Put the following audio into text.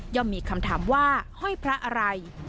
มีคำถามว่าห้อยพระอะไร